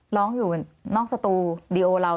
ร้องอยู่นอกสตูดิโอเรา